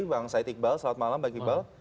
bang said iqbal selamat malam bang iqbal